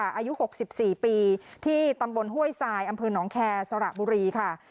อายุ๖๔ปีที่ตำบลห้วยทรายอำเภอหนองแคร์สระบุรีค่ะ